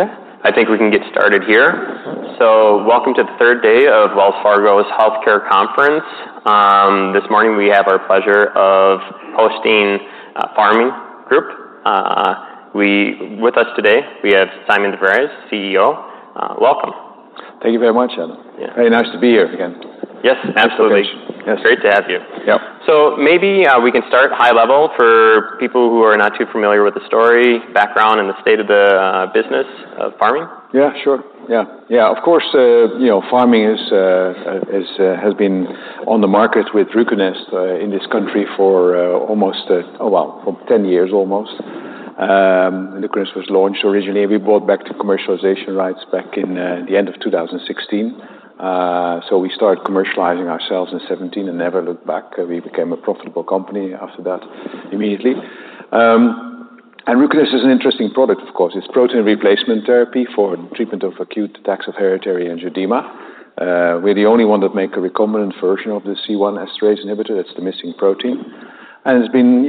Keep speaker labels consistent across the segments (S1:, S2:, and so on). S1: Okay, I think we can get started here. So welcome to the third day of Wells Fargo's Healthcare Conference. This morning, we have our pleasure of hosting Pharming Group. With us today, we have Sijmen de Vries, CEO. Welcome.
S2: Thank you very much, Adam. Yeah. Very nice to be here again. Yes, absolutely. Yes. It's great to have you. Yep. So maybe we can start high level for people who are not too familiar with the story, background, and the state of the business of Pharming. Yeah, sure. Yeah. Yeah, of course, you know, Pharming is, has been on the market with Ruconest, in this country for, almost, oh, well, for 10 years almost. Ruconest was launched originally. We bought back the commercialization rights back in, the end of 2016. So we started commercializing ourselves in 2017 and never looked back. We became a profitable company after that immediately. And Ruconest is an interesting product, of course. It's protein replacement therapy for treatment of acute attacks of hereditary angioedema. We're the only one that make a recombinant version of the C1 esterase inhibitor. That's the missing protein. And it's been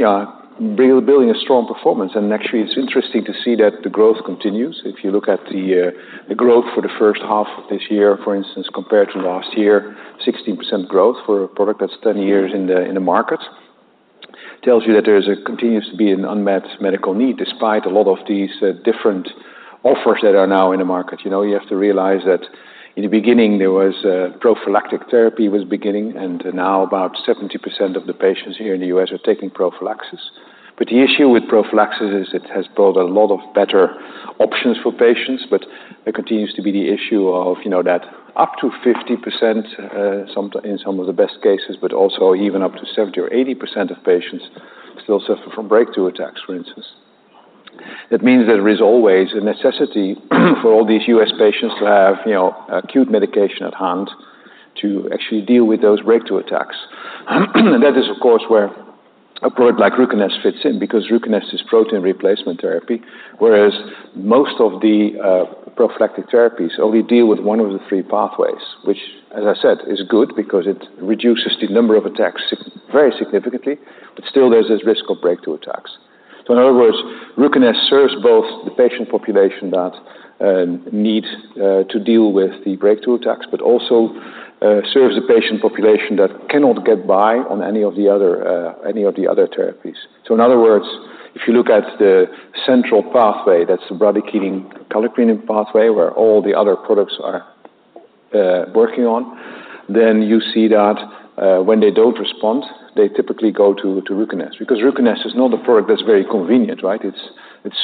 S2: building a strong performance, and actually, it's interesting to see that the growth continues. If you look at the, the growth for the first half of this year, for instance, compared to last year, 16% growth for a product that's 10 years in the, in the market, tells you that there's a continues to be an unmet medical need, despite a lot of these, different offers that are now in the market. You know, you have to realize that in the beginning, there was a... prophylactic therapy was beginning, and now about 70% of the patients here in the U.S. are taking prophylaxis. But the issue with prophylaxis is it has brought a lot of better options for patients, but there continues to be the issue of, you know, that up to 50%, in some of the best cases, but also even up to 70% or 80% of patients still suffer from breakthrough attacks, for instance. That means there is always a necessity for all these U.S. patients to have, you know, acute medication at hand to actually deal with those breakthrough attacks. And that is, of course, where a product like Ruconest fits in, because Ruconest is protein replacement therapy, whereas most of the prophylactic therapies only deal with one of the three pathways, which, as I said, is good because it reduces the number of attacks very significantly, but still there's this risk of breakthrough attacks. So in other words, Ruconest serves both the patient population that needs to deal with the breakthrough attacks, but also serves the patient population that cannot get by on any of the other therapies. So in other words, if you look at the central pathway, that's the bradykinin, kallikrein pathway, where all the other products are working on, then you see that when they don't respond, they typically go to Ruconest, because Ruconest is not a product that's very convenient, right? It's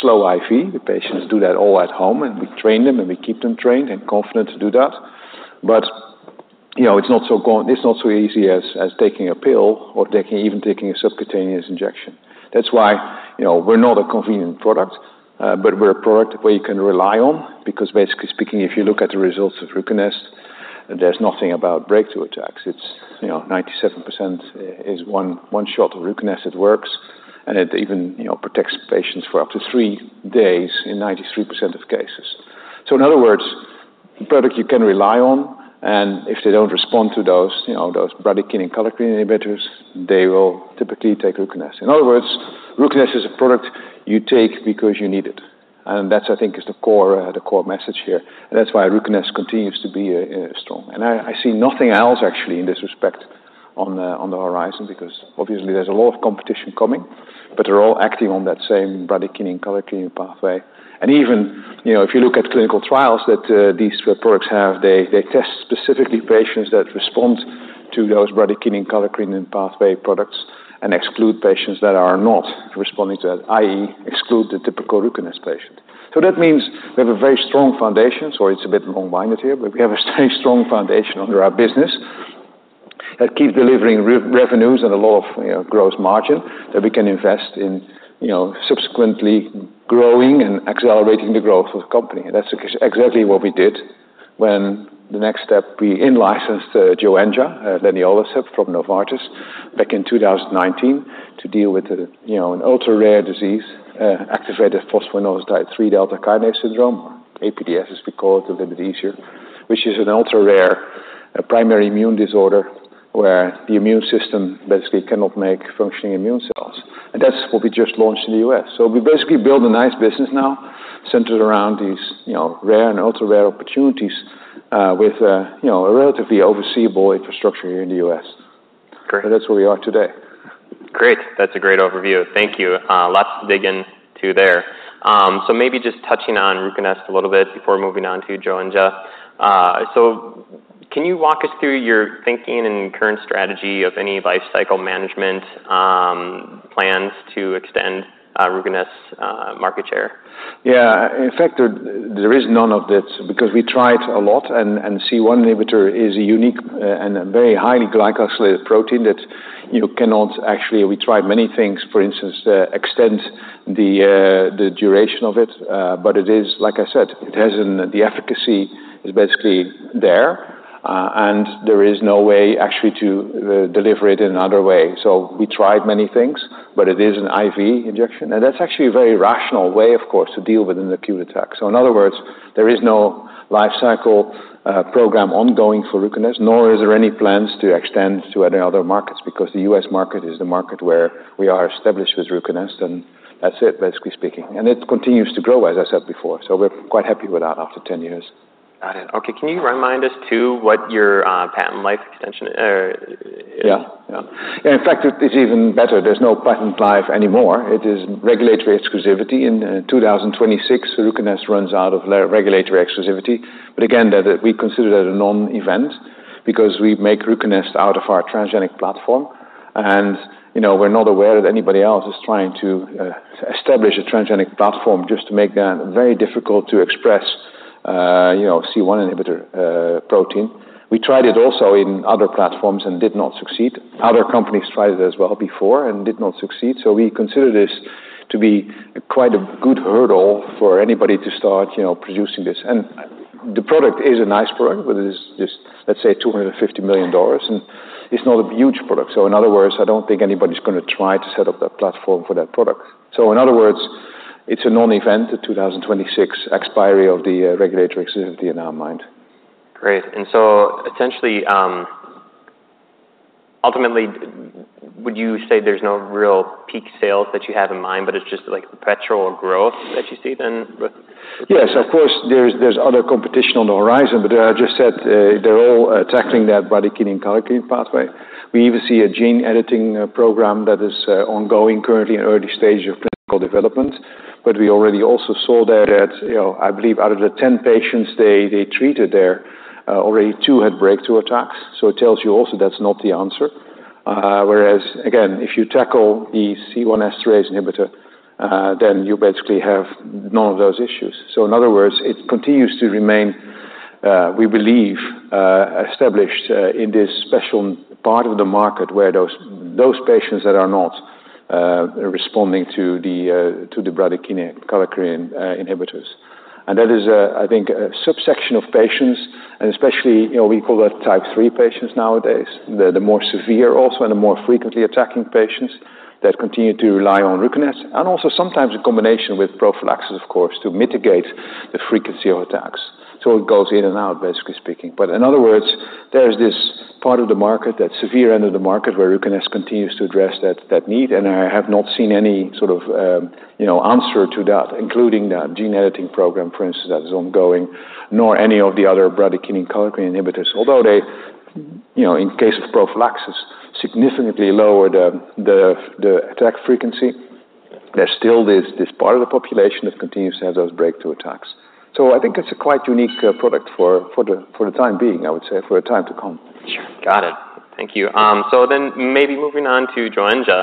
S2: slow IV. Yeah. The patients do that all at home, and we train them, and we keep them trained and confident to do that. But, you know, it's not so easy as taking a pill or even taking a subcutaneous injection. That's why, you know, we're not a convenient product, but we're a product where you can rely on, because basically speaking, if you look at the results of Ruconest, there's nothing about breakthrough attacks. It's, you know, 97% is one shot of Ruconest, it works, and it even, you know, protects patients for up to three days in 93% of cases. So in other words, the product you can rely on, and if they don't respond to those, you know, those bradykinin and kallikrein inhibitors, they will typically take Ruconest. In other words, Ruconest is a product you take because you need it, and that's, I think, is the core, the core message here. And that's why Ruconest continues to be strong. And I see nothing else actually in this respect on the horizon, because obviously there's a lot of competition coming, but they're all acting on that same bradykinin, kallikrein pathway. And even, you know, if you look at clinical trials that these products have, they test specifically patients that respond to those bradykinin, kallikrein pathway products and exclude patients that are not responding to that, i.e., exclude the typical Ruconest patient. So that means we have a very strong foundation. Sorry, it's a bit long-winded here, but we have a very strong foundation under our business that keep delivering recurring revenues and a lot of, you know, gross margin that we can invest in, you know, subsequently growing and accelerating the growth of the company. That's exactly what we did when the next step, we in-licensed, Joenja, leniolisib from Novartis back in 2019 to deal with, you know, an ultra-rare disease, activated Phosphoinositide 3-kinase Delta Syndrome, APDS, as we call it, a little bit easier, which is an ultra-rare, a primary immune disorder, where the immune system basically cannot make functioning immune cells. And that's what we just launched in the U.S. So we basically built a nice business now, centered around these, you know, rare and ultra-rare opportunities, with, you know, a relatively overseeable infrastructure here in the U.S. Great. That's where we are today. Great. That's a great overview. Thank you. Lots to dig into there. So maybe just touching on Ruconest a little bit before moving on to Joenja. So can you walk us through your thinking and current strategy of any lifecycle management, plans to extend, Ruconest's market share? Yeah. In fact, there is none of that because we tried a lot and C1 inhibitor is a unique and a very highly glycosylated protein that, you know, cannot... Actually, we tried many things, for instance, extend the duration of it, but it is, like I said, it has an... The efficacy is basically there and there is no way actually to deliver it in another way. So we tried many things, but it is an IV injection, and that's actually a very rational way, of course, to deal with an acute attack. So in other words... There is no life cycle program ongoing for Ruconest, nor is there any plans to extend to any other markets, because the U.S. market is the market where we are established with Ruconest, and that's it, basically speaking. It continues to grow, as I said before, so we're quite happy with that after 10 years. Got it. Okay, can you remind us, too, what your patent life extension is, or- Yeah, yeah. In fact, it is even better. There's no patent life anymore. It is regulatory exclusivity. In 2026, Ruconest runs out of regulatory exclusivity. But again, that we consider that a non-event because we make Ruconest out of our transgenic platform. And, you know, we're not aware that anybody else is trying to establish a transgenic platform just to make that very difficult to express, you know, C1 inhibitor protein. We tried it also in other platforms and did not succeed. Other companies tried it as well before and did not succeed. So we consider this to be quite a good hurdle for anybody to start, you know, producing this. And the product is a nice product, but it is just, let's say, $250 million, and it's not a huge product. So in other words, I don't think anybody's gonna try to set up that platform for that product. So in other words, it's a non-event, the 2026 expiry of the regulatory exclusivity in our mind. Great. And so essentially, ultimately, would you say there's no real peak sales that you have in mind, but it's just like perpetual growth that you see then with? Yes, of course, there's other competition on the horizon, but I just said, they're all tackling that bradykinin kallikrein pathway. We even see a gene editing program that is ongoing currently in early stage of clinical development. But we already also saw that at, you know, I believe out of the 10 patients they treated there, already two had breakthrough attacks, so it tells you also that's not the answer. Whereas, again, if you tackle the C1 esterase inhibitor, then you basically have none of those issues. So in other words, it continues to remain, we believe, established in this special part of the market where those patients that are not responding to the bradykinin kallikrein inhibitors. That is, I think, a subsection of patients, and especially, you know, we call that type three patients nowadays, the more severe also, and the more frequently attacking patients that continue to rely on Ruconest, and also sometimes in combination with prophylaxis, of course, to mitigate the frequency of attacks. It goes in and out, basically speaking. In other words, there is this part of the market, that severe end of the market, where Ruconest continues to address that need, and I have not seen any sort of, you know, answer to that, including that gene editing program, for instance, that is ongoing, nor any of the other bradykinin kallikrein inhibitors. Although they, you know, in case of prophylaxis, significantly lower the attack frequency, there still is this part of the population that continues to have those breakthrough attacks. So I think it's a quite unique product for the time being, I would say, for a time to come. Sure. Got it. Thank you. So then maybe moving on to Joenja.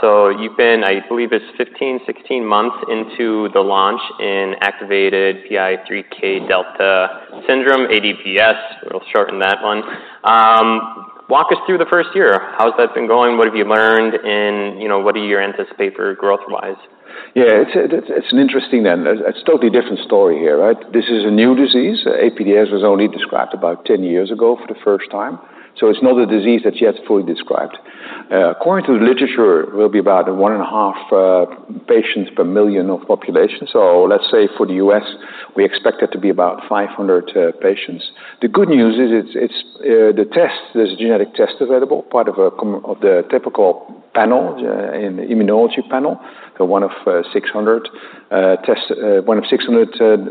S2: So you've been, I believe, it's 15-16 months into the launch in Activated PI3K Delta Syndrome, APDS, we'll shorten that one. Walk us through the first year. How's that been going? What have you learned and, you know, what are your anticipate for growth-wise? Yeah, it's an interesting and a totally different story here, right? This is a new disease. APDS was only described about 10 years ago for the first time, so it's not a disease that's yet fully described. According to the literature, it will be about one and a half patients per million of population. So let's say for the U.S., we expect it to be about 500 patients. The good news is it's the test, there's a genetic test available, part of the typical panel in immunology panel, one of 600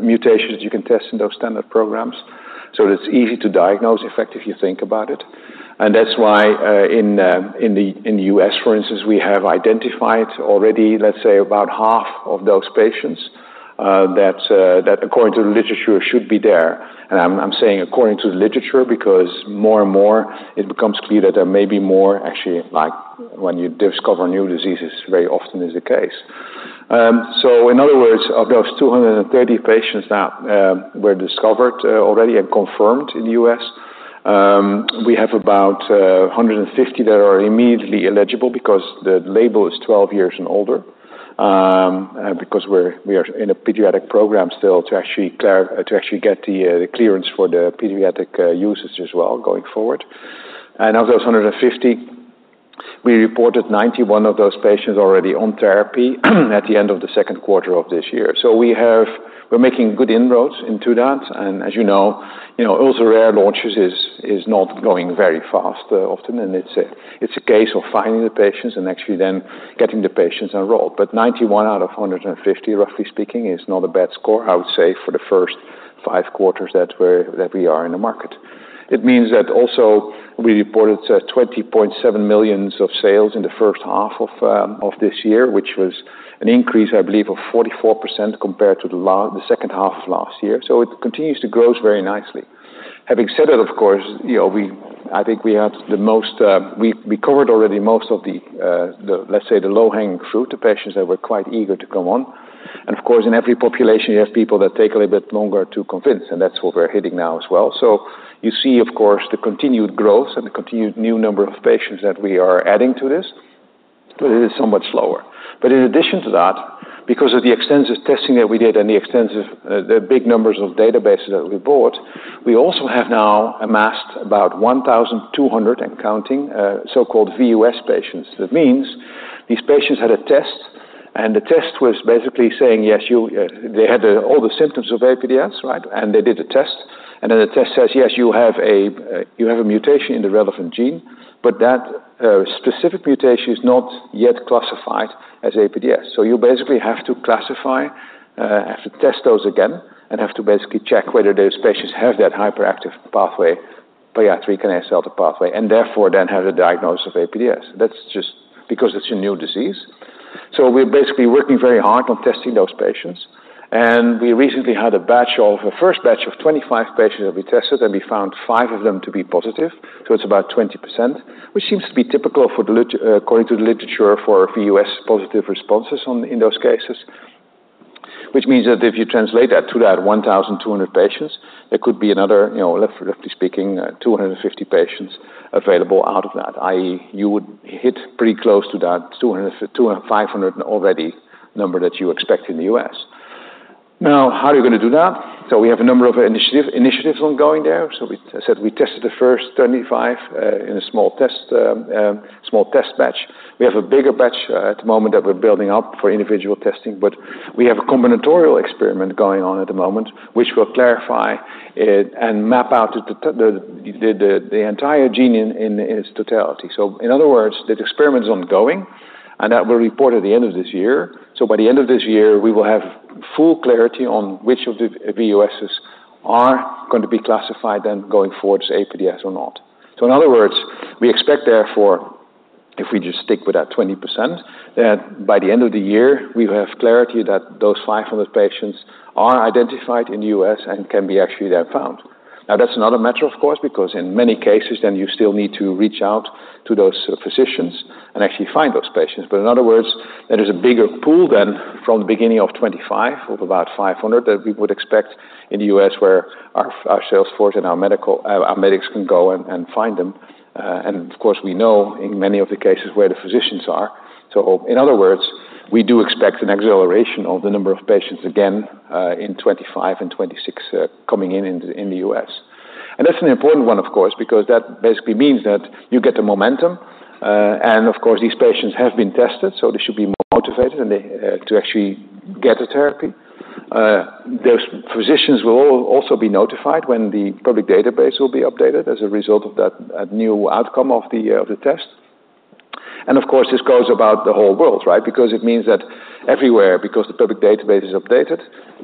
S2: mutations you can test in those standard programs. So it's easy to diagnose, in fact, if you think about it. And that's why, in the U.S., for instance, we have identified already, let's say, about half of those patients, that, according to the literature, should be there. And I'm saying according to the literature, because more and more it becomes clear that there may be more actually, like when you discover new diseases, very often is the case. So in other words, of those two hundred and thirty patients that were discovered already and confirmed in the U.S., we have about 150 that are immediately eligible because the label is twelve years and older, and because we are in a pediatric program still to actually clear. To actually get the clearance for the pediatric uses as well going forward. Of those 150, we reported 91 of those patients already on therapy at the end of the second quarter of this year. So we have we're making good inroads into that. As you know, ultra-rare launches is not going very fast often, and it's a case of finding the patients and actually then getting the patients enrolled. But 91 out of 150, roughly speaking, is not a bad score, I would say, for the first five quarters that we are in the market. It means that also we reported $20.7 million of sales in the first half of this year, which was an increase, I believe, of 44% compared to the second half of last year. So it continues to grow very nicely. Having said that, of course, you know, I think we have the most, we covered already most of the, let's say, the low-hanging fruit, the patients that were quite eager to go on. And of course, in every population, you have people that take a little bit longer to convince, and that's what we're hitting now as well. So you see, of course, the continued growth and the continued new number of patients that we are adding to this, but it is so much slower. But in addition to that, because of the extensive testing that we did and the extensive, the big numbers of databases that we bought, we also have now amassed about 1,200 counting, so-called VU.S. patients. That means-... These patients had a test, and the test was basically saying, yes, you, they had all the symptoms of APDS, right? And they did a test, and then the test says, yes, you have a, you have a mutation in the relevant gene, but that, specific mutation is not yet classified as APDS. So you basically have to classify, have to test those again and have to basically check whether those patients have that hyperactive pathway, pediatric and adult pathway, and therefore then have a diagnosis of APDS. That's just because it's a new disease. So we're basically working very hard on testing those patients, and we recently had a first batch of 25 patients that we tested, and we found five of them to be positive, so it's about 20%, which seems to be typical for the literature according to the literature for VUS positive responses on in those cases. Which means that if you translate that to that 1,200 patients, there could be another you know roughly speaking 250 patients available out of that, i.e., you would hit pretty close to that 200 to 500 already number that you expect in the U.S.. Now, how are you going to do that? So we have a number of initiatives ongoing there. So we, as I said, we tested the first 25 in a small test batch. We have a bigger batch at the moment that we're building up for individual testing, but we have a combinatorial experiment going on at the moment, which will clarify it and map out the entire gene in its totality. So in other words, that experiment is ongoing, and that will report at the end of this year. So by the end of this year, we will have full clarity on which of the VUS.s are going to be classified then going forward as APDS or not. So in other words, we expect therefore, if we just stick with that 20%, that by the end of the year, we will have clarity that those 500 patients are identified in the U.S. and can be actually then found. Now, that's another matter, of course, because in many cases, then you still need to reach out to those physicians and actually find those patients. But in other words, there is a bigger pool than from the beginning of 25, of about 500, that we would expect in the U.S., where our sales force and our medical... our medics can go and find them. And of course, we know in many of the cases where the physicians are. So in other words, we do expect an acceleration of the number of patients again, in 2025 and 2026, coming in, in the U.S. And that's an important one, of course, because that basically means that you get the momentum, and of course, these patients have been tested, so they should be more motivated and they to actually get a therapy. Those physicians will all also be notified when the public database will be updated as a result of that, that new outcome of the test. And of course, this goes about the whole world, right? Because it means that everywhere, because the public database is updated,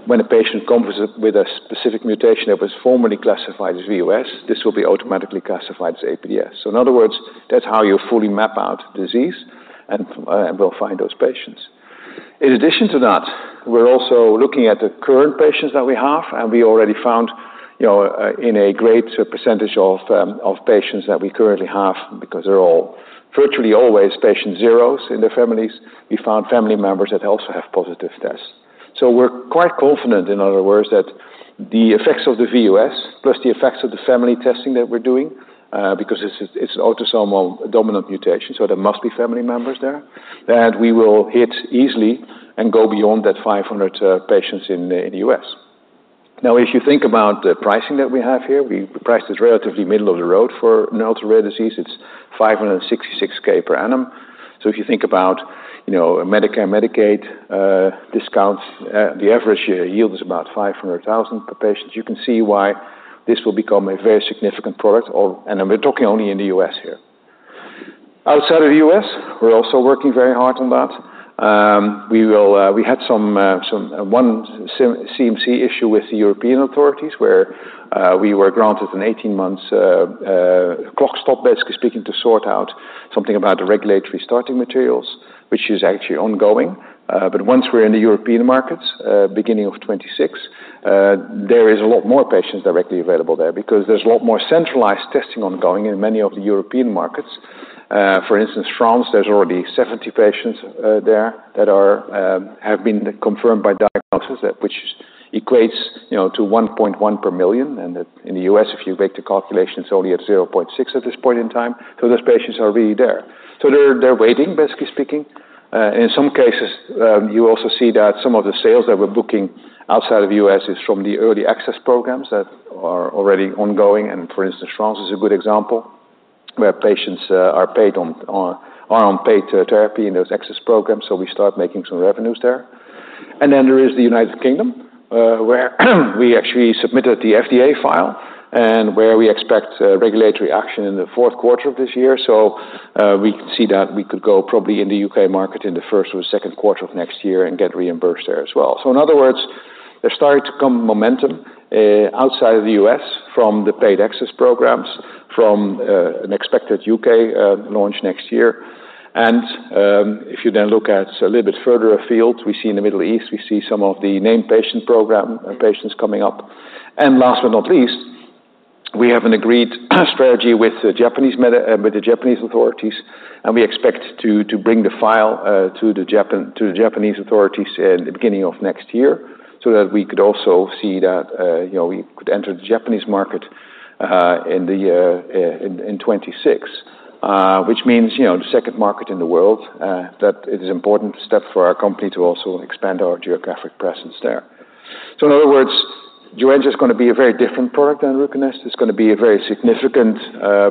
S2: when a patient comes with a specific mutation that was formerly classified as VUS, this will be automatically classified as APDS. So in other words, that's how you fully map out disease and will find those patients. In addition to that, we're also looking at the current patients that we have, and we already found, you know, in a great percentage of patients that we currently have, because they're all virtually always patient zeros in their families, we found family members that also have positive tests. So we're quite confident, in other words, that the effects of the VUS, plus the effects of the family testing that we're doing, because it's an autosomal dominant mutation, so there must be family members there, that we will hit easily and go beyond that 500 patients in the U.S. Now, if you think about the pricing that we have here, the price is relatively middle of the road for an ultra-rare disease. It's $5,66,000 per annum. So if you think about, you know, Medicare, Medicaid, discounts, the average yield is about $500,000 per patient. You can see why this will become a very significant product, or... and we're talking only in the U.S. here. Outside of the U.S., we're also working very hard on that. We had some CMC issue with the European authorities, where we were granted an 18 months clock stop, basically speaking, to sort out something about the regulatory starting materials, which is actually ongoing. But once we're in the European markets, beginning of 2026, there is a lot more patients directly available there because there's a lot more centralized testing ongoing in many of the European markets. For instance, France, there's already 70 patients there that have been confirmed by diagnosis, that which equates, you know, to 1.1 per million, and that in the U.S., if you make the calculation, it's only at 0.6 at this point in time. So those patients are already there. So they're waiting, basically speaking. In some cases, you also see that some of the sales that we're booking outside of the U.S. is from the early access programs that are already ongoing. For instance, France is a good example, where patients are on paid therapy in those access programs, so we start making some revenues there. And then there is the United Kingdom, where we actually submitted the FDA file and where we expect regulatory action in the Fourth Quarter of this year. So we can see that we could go probably in the U.K. market in the first or second quarter of next year and get reimbursed there as well. So in other words, there's starting to come momentum outside of the U.S. from the paid access programs from an expected U.K. launch next year. And if you then look a little bit further afield, we see in the Middle East. We see some of the named patient program, and patients coming up. Last but not least, we have an agreed strategy with the Japanese meda and the Japanese authorities, and we expect to bring the filing to the Japanese authorities in the beginning of next year, so that we could also see that, you know, we could enter the Japanese market in 2026, which means, you know, the second market in the world that it is important step for our company to also expand our geographic presence there. In other words, Joenja is going to be a very different product than Ruconest. It's going to be a very significant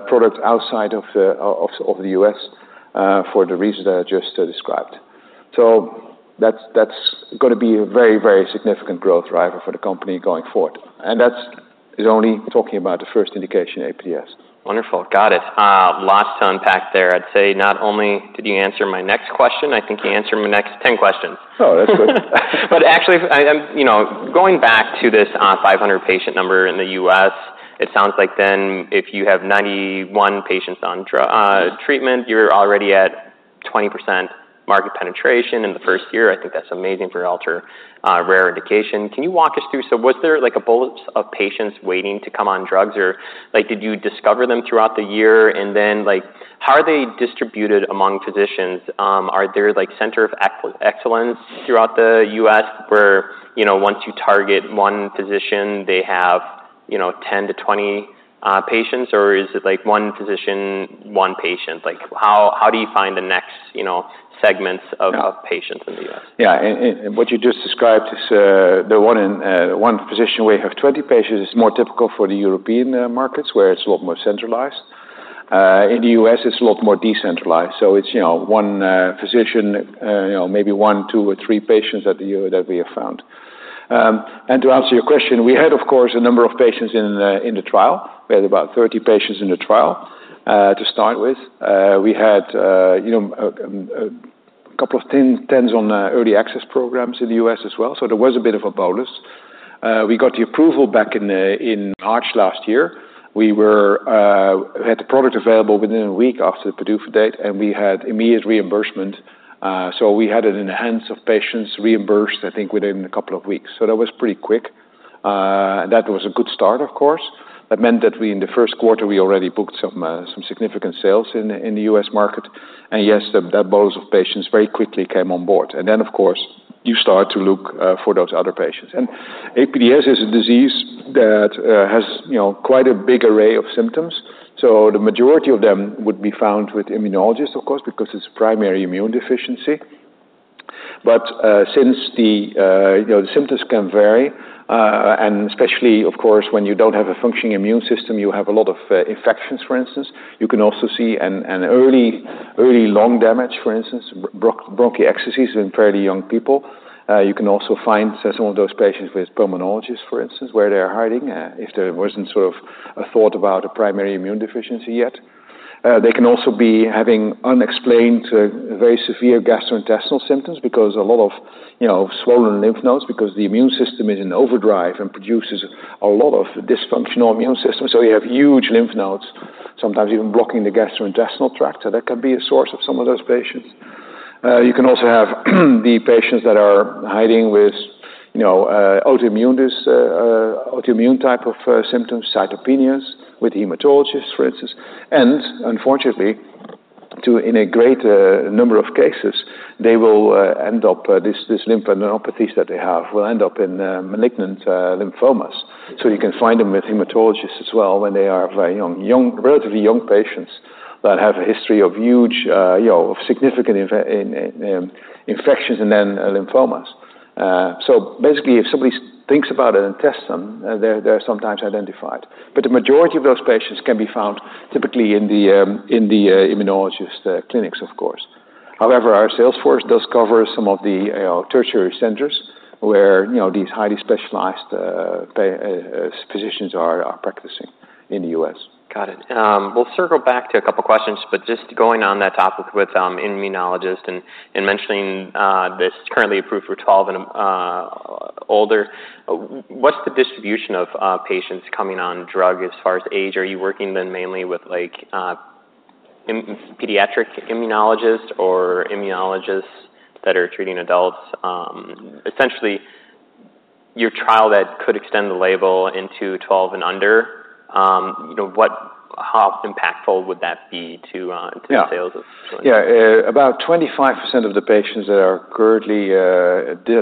S2: product outside of the U.S. for the reasons that I just described. That's going to be a very significant growth driver for the company going forward. And that's only talking about the first indication, APDS. Wonderful. Got it. Lots to unpack there. I'd say not only did you answer my next question, I think you answered my next 10 questions. Oh, that's good. But actually, I, you know, going back to this, 500 patient number in the U.S., it sounds like then if you have 91 patients on drug treatment, you're already at 20% market penetration in the first year. I think that's amazing for ultra-rare indication. Can you walk us through? So was there, like, a bolus of patients waiting to come on drugs? Or, like, did you discover them throughout the year? And then, like, how are they distributed among physicians? Are there, like, centers of excellence throughout the U.S. where, you know, once you target one physician, they have, you know, 10 to 20 patients? Or is it like one physician, one patient? Like, how do you find the next, you know, segments of- Yeah patients in the U.S.? Yeah. And what you just described is the one in one physician where you have 20 patients is more typical for the European markets, where it's a lot more centralized. In the U.S., it's a lot more decentralized, so it's, you know, one physician, you know, maybe one, two, or three patients that we have found. To answer your question, we had, of course, a number of patients in the trial. We had about 30 patients in the trial, to start with. We had, you know, a couple of tens on early access programs in the U.S. as well, so there was a bit of a bonus. We got the approval back in March last year. We were, we had the product available within a week after the PDUFA date, and we had immediate reimbursement. So we had it in the hands of patients reimbursed, I think, within a couple of weeks, so that was pretty quick. That was a good start, of course. That meant that we, in the first quarter, we already booked some significant sales in the U.S. market. And yes, that bolus of patients very quickly came on board. And then, of course, you start to look for those other patients. And APDS is a disease that has, you know, quite a big array of symptoms, so the majority of them would be found with immunologists, of course, because it's primary immune deficiency. But since the, you know, the symptoms can vary, and especially, of course, when you don't have a functioning immune system, you have a lot of infections, for instance. You can also see an early lung damage, for instance, bronchiectasis in fairly young people. You can also find some of those patients with pulmonologists, for instance, where they are hiding, if there wasn't sort of a thought about a primary immune deficiency yet. They can also be having unexplained, very severe gastrointestinal symptoms because a lot of, you know, swollen lymph nodes, because the immune system is in overdrive and produces a lot of dysfunctional immune system. So you have huge lymph nodes, sometimes even blocking the gastrointestinal tract, so that can be a source of some of those patients. You can also have the patients that are hiding with, you know, autoimmune type of symptoms, cytopenias, with hematologists, for instance. And unfortunately, in a great number of cases, they will end up, this lymphopathy that they have will end up in malignant lymphomas. So you can find them with hematologists as well when they are very young, relatively young patients that have a history of huge, you know, of significant infections and then lymphomas. So basically, if somebody thinks about it and tests them, they're sometimes identified. But the majority of those patients can be found typically in the immunologist clinics, of course. However, our sales force does cover some of the tertiary centers where, you know, these highly specialized physicians are practicing in the U.S. Got it. We'll circle back to a couple questions, but just going on that topic with immunologist and mentioning this currently approved for 12 and older, what's the distribution of patients coming on drug as far as age? Are you working then mainly with, like, pediatric immunologists or immunologists that are treating adults? Essentially, your trial that could extend the label into 12 and under, you know, what... How impactful would that be to to- Yeah -sales of? Yeah. About 25% of the patients that are currently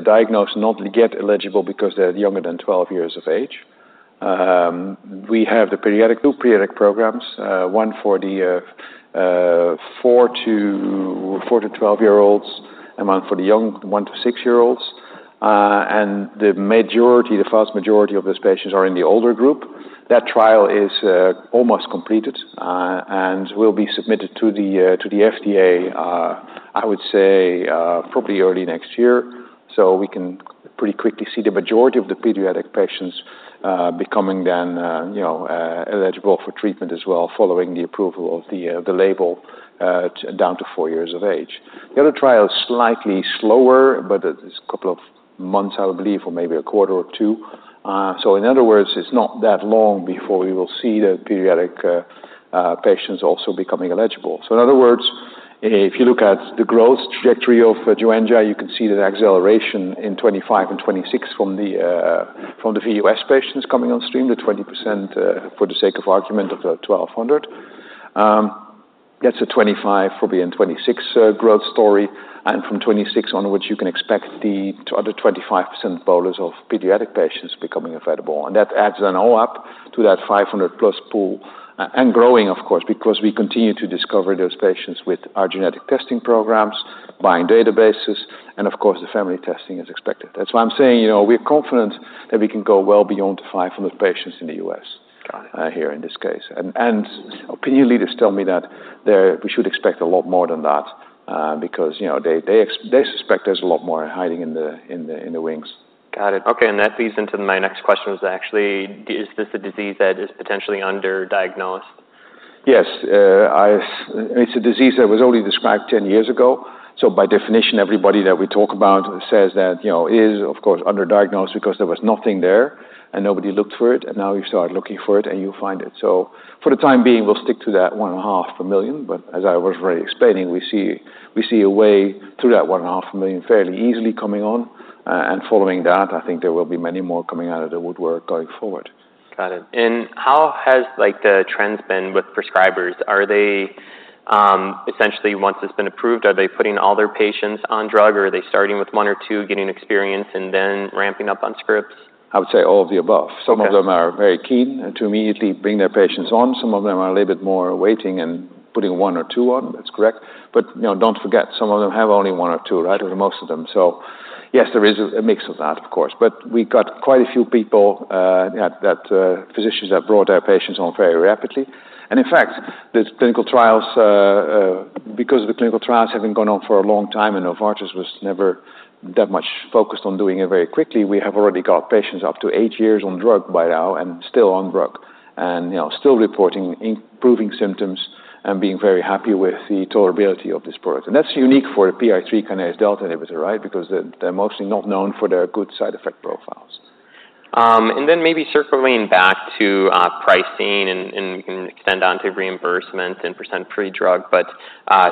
S2: diagnosed not yet eligible because they're younger than 12 years of age. We have two pediatric programs, one for the four to 12-year-olds and one for the young one to six-year-olds. And the majority, the vast majority of those patients are in the older group. That trial is almost completed and will be submitted to the FDA, I would say, probably early next year. So we can pretty quickly see the majority of the pediatric patients becoming then, you know, eligible for treatment as well, following the approval of the label down to four years of age. The other trial is slightly slower, but it's a couple of months, I believe, or maybe a quarter or two. So in other words, it's not that long before we will see the pediatric patients also becoming eligible. So in other words, if you look at the growth trajectory of Joenja, you can see that acceleration in 2025 and 2026 from the U.S. patients coming on stream, the 20%, for the sake of argument, of the 1,200. That's a 2025, probably, and 2026 growth story, and from 2026 onwards, you can expect the other 25% bolus of pediatric patients becoming available. And that adds then all up... to that 500+ pool, and growing, of course, because we continue to discover those patients with our genetic testing programs, buying databases, and of course, the family testing is expected. That's why I'm saying, you know, we're confident that we can go well beyond 500 patients in the U.S.- Got it. Here in this case. Opinion leaders tell me that there we should expect a lot more than that, because, you know, they suspect there's a lot more hiding in the wings. Got it. Okay, and that leads into my next question was actually, is this a disease that is potentially underdiagnosed? Yes. It's a disease that was only described ten years ago, so by definition, everybody that we talk about says that, you know, is, of course, underdiagnosed because there was nothing there and nobody looked for it, and now you start looking for it, and you find it. So for the time being, we'll stick to that one and a half per million, but as I was already explaining, we see a way through that one and a half million fairly easily coming on. Following that, I think there will be many more coming out of the woodwork going forward. Got it. And how has, like, the trends been with prescribers? Are they essentially, once it's been approved, are they putting all their patients on drug, or are they starting with one or two, getting experience, and then ramping up on scripts? I would say all of the above. Okay. Some of them are very keen to immediately bring their patients on. Some of them are a little bit more waiting and putting one or two on. That's correct, but you know, don't forget, some of them have only one or two, right, or most of them, so yes, there is a mix of that, of course. But we got quite a few physicians have brought their patients on very rapidly. And in fact, the clinical trials, because the clinical trials have been going on for a long time, and Novartis was never that much focused on doing it very quickly, we have already got patients up to eight years on drug by now and still on drug, and you know, still reporting improving symptoms and being very happy with the tolerability of this product. And that's unique for a PI3 kinase delta inhibitor, right? Because they're, they're mostly not known for their good side effect profiles. And then maybe circling back to pricing and extend on to reimbursement and percent free drug. But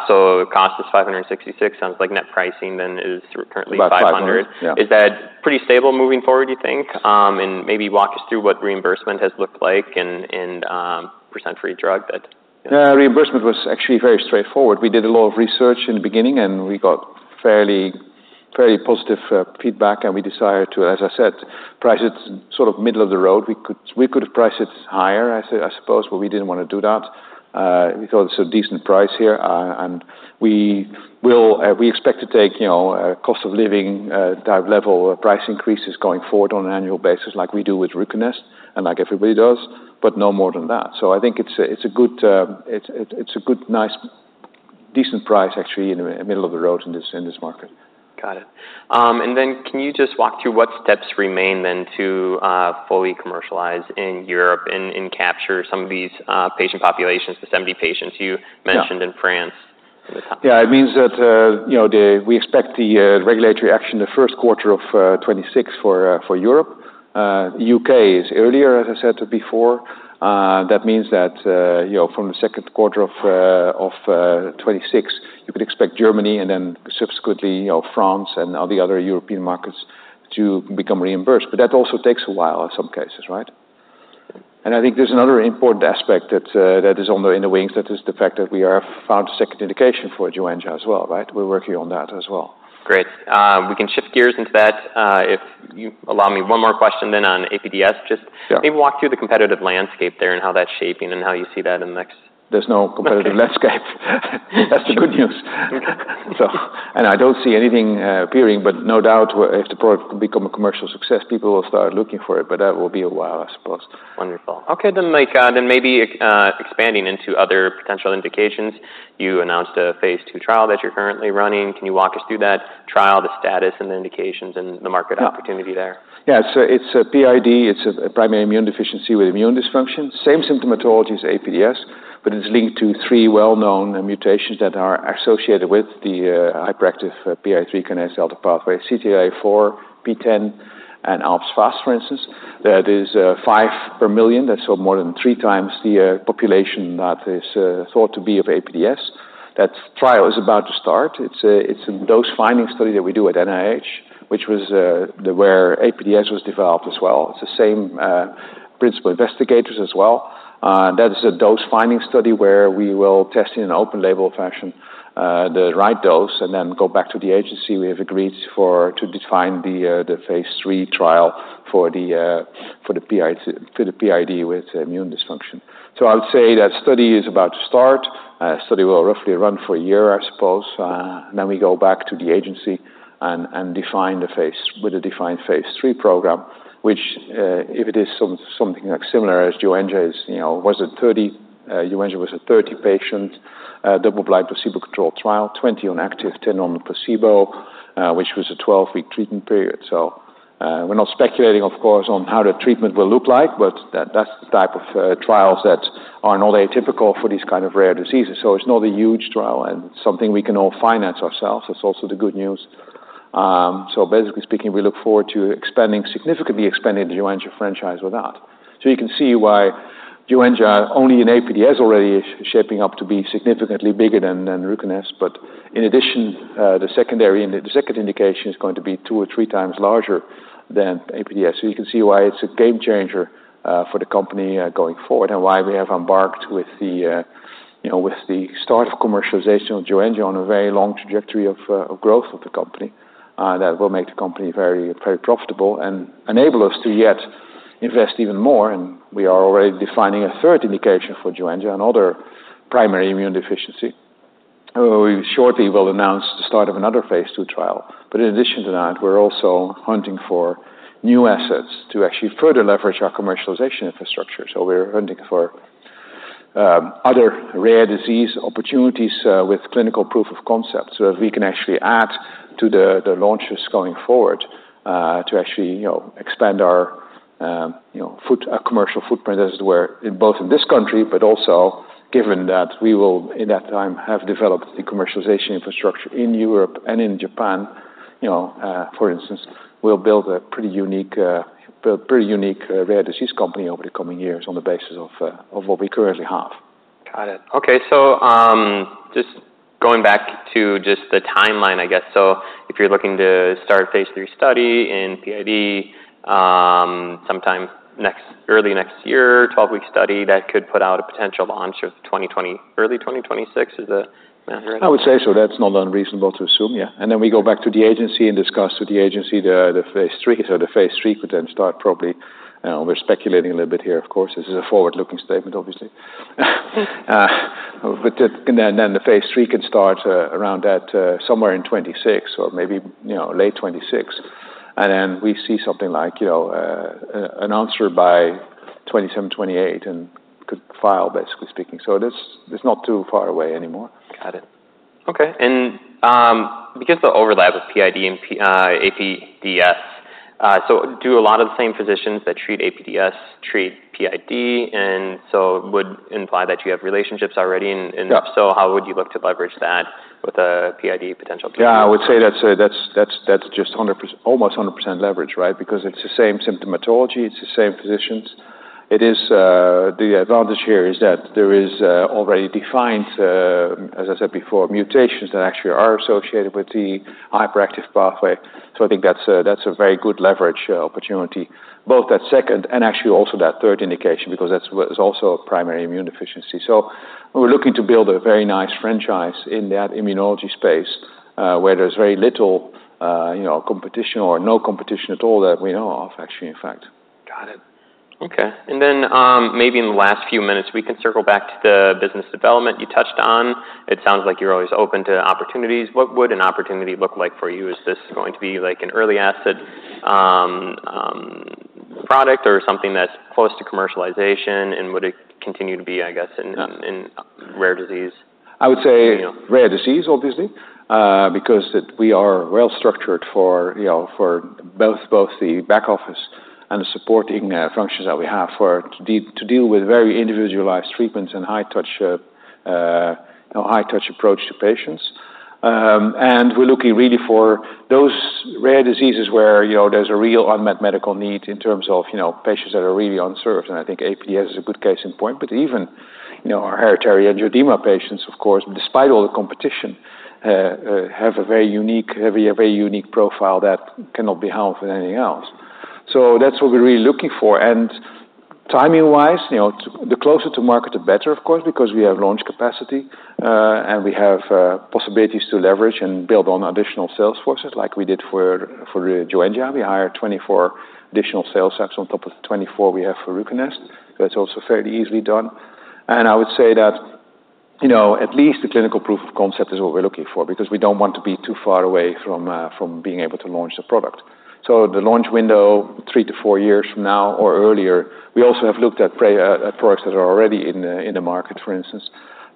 S2: so cost is $566. Sounds like net pricing then is currently $500. About $500. Yeah. Is that pretty stable moving forward, you think? Um- Maybe walk us through what reimbursement has looked like and percent free drug that? Reimbursement was actually very straightforward. We did a lot of research in the beginning, and we got fairly positive feedback, and we decided to, as I said, price it sort of middle of the road. We could price it higher, I suppose, but we didn't wanna do that. We thought it's a decent price here, and we will. We expect to take, you know, a cost of living type level of price increases going forward on an annual basis, like we do with Ruconest and like everybody does, but no more than that. So I think it's a good, nice, decent price, actually, in the middle of the road in this market. Got it. And then can you just walk through what steps remain to fully commercialize in Europe and capture some of these patient populations, the 70 patients you- Yeah... mentioned in France at the top? Yeah, it means that, you know, we expect the regulatory action in the first quarter of 2026 for Europe. U.K. is earlier, as I said before. That means that, you know, from the second quarter of 2026, you could expect Germany and then subsequently, you know, France and all the other European markets to become reimbursed, but that also takes a while in some cases, right? And I think there's another important aspect that is waiting in the wings, that is the fact that we have found a second indication for Joenja as well, right? We're working on that as well. Great. We can shift gears into that, if you allow me one more question then on APDS. Yeah. Just maybe walk through the competitive landscape there and how that's shaping and how you see that in the next? There's no competitive landscape. Okay. That's the good news. Okay. I don't see anything appearing, but no doubt, if the product could become a commercial success, people will start looking for it, but that will be a while, I suppose. Wonderful. Okay, then, like, then maybe, expanding into other potential indications. You announced a phase 2 trial that you're currently running. Can you walk us through that trial, the status and the indications and the market opportunity there? Yeah. Yeah, so it's a PID, it's a primary immune deficiency with immune dysfunction. Same symptomatology as APDS, but it's linked to three well-known mutations that are associated with the hyperactive PI3 kinase delta pathway, CTLA-4, PTEN, and ALPS-FAS, for instance. That is five per million. That's so much more than three times the population that is thought to be of APDS. That trial is about to start. It's a dose-finding study that we do at NIH, which was where APDS was developed as well. It's the same principal investigators as well. That is a dose-finding study where we will test in an open label fashion, the right dose and then go back to the agency we have agreed for, to define the, the phase III trial for the, for the PID with immune dysfunction. So I would say that study is about to start. Study will roughly run for a year, I suppose. Then we go back to the agency and define the phase with a defined phase III program, which, if it is something like similar as Joenja is, you know, was it 30, Joenja was a 30-patient, double-blind, placebo-controlled trial, 20 on active, 10 on placebo, which was a 12-week treatment period. So, we're not speculating, of course, on how the treatment will look like, but that's the type of trials that are not atypical for these kind of rare diseases. So it's not a huge trial and something we can all finance ourselves. That's also the good news. So basically speaking, we look forward to expanding, significantly expanding the Joenja franchise with that. So you can see why Joenja, only in APDS, already is shaping up to be significantly bigger than Ruconest. But in addition, the secondary. In the second indication, is going to be two or three times larger than APDS. So you can see why it's a game changer for the company going forward, and why we have embarked with the you know with the start of commercialization of Joenja on a very long trajectory of growth of the company that will make the company very very profitable and enable us to yet invest even more. And we are already defining a third indication for Joenja, another primary immune deficiency. We shortly will announce the start of another phase two trial. But in addition to that, we're also hunting for new assets to actually further leverage our commercialization infrastructure. So we're hunting for other rare disease opportunities with clinical proof of concept, so that we can actually add to the launches going forward, to actually, you know, expand our, you know, commercial footprint, as it were, both in this country, but also given that we will, in that time, have developed the commercialization infrastructure in Europe and in Japan. You know, for instance, we'll build a pretty unique rare disease company over the coming years on the basis of what we currently have. Got it. Okay, so just going back to just the timeline, I guess. So if you're looking to start a phase III study in PID sometime early next year, 12-week study, that could put out a potential launch of early 2026, is that right? I would say so. That's not unreasonable to assume, yeah. And then we go back to the agency and discuss with the agency the phase III. So the phase III could then start, probably. We're speculating a little bit here, of course. This is a forward-looking statement, obviously. But and then the phase III can start around that somewhere in 2026 or maybe, you know, late 2026. And then we see something like, you know, an answer by 2027, 2028 and could file, basically speaking. So it's not too far away anymore. Got it. Okay. And because the overlap with PID and APDS, so do a lot of the same physicians that treat APDS treat PID, and so would imply that you have relationships already? Yeah. And if so, how would you look to leverage that with a PID potential? Yeah, I would say that's almost 100% leverage, right? Because it's the same symptomatology, it's the same physicians. It is. The advantage here is that there is already defined, as I said before, mutations that actually are associated with the hyperactive pathway. So I think that's a very good leverage opportunity, both that second and actually also that third indication, because that's it's also a primary immune deficiency. So we're looking to build a very nice franchise in that immunology space, where there's very little, you know, competition or no competition at all that we know of, actually, in fact. Got it. Okay. And then, maybe in the last few minutes, we can circle back to the business development you touched on. It sounds like you're always open to opportunities. What would an opportunity look like for you? Is this going to be, like, an early asset, product or something that's close to commercialization? And would it continue to be, I guess, in rare disease? I would say. You know... rare disease, obviously, because that we are well structured for, you know, for both the back office and the supporting functions that we have for to deal with very individualized treatments and high touch approach to patients. And we're looking really for those rare diseases where, you know, there's a real unmet medical need in terms of, you know, patients that are really unserved, and I think APDS is a good case in point. But even, you know, our hereditary angioedema patients, of course, despite all the competition, have a very unique profile that cannot be helped with anything else. So that's what we're really looking for. Timing-wise, you know, the closer to market, the better, of course, because we have launch capacity, and we have possibilities to leverage and build on additional sales forces like we did for Joenja. We hired 24 additional sales reps on top of the 24 we have for Ruconest. So it's also fairly easily done. I would say that, you know, at least the clinical proof of concept is what we're looking for, because we don't want to be too far away from being able to launch the product. So the launch window, three to four years from now or earlier. We also have looked at products that are already in the market, for instance.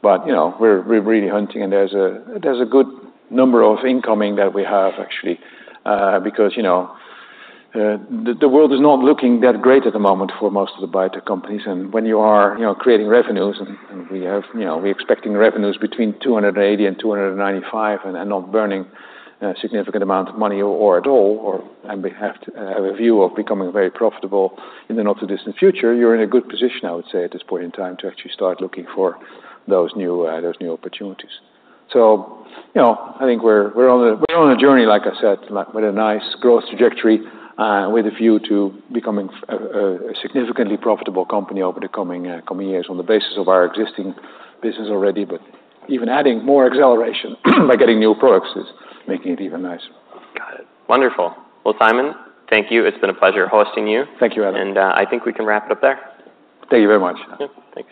S2: You know, we're really hunting, and there's a good number of incoming that we have, actually, because, you know, the world is not looking that great at the moment for most of the biotech companies. And when you are, you know, creating revenues, and we have, you know, we're expecting revenues between 280 and 295 and not burning a significant amount of money or at all, and we have to have a view of becoming very profitable in the not-too-distant future, you're in a good position, I would say, at this point in time, to actually start looking for those new opportunities. So you know, I think we're on a journey, like I said, like with a nice growth trajectory, with a view to becoming a significantly profitable company over the coming years on the basis of our existing business already. But even adding more acceleration by getting new products is making it even nicer. Got it. Wonderful. Well, Sijmen, thank you. It's been a pleasure hosting you. Thank you, Adam. I think we can wrap it up there. Thank you very much. Yeah. Thank you.